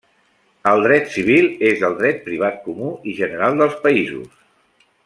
El dret civil és el dret privat comú i general dels països.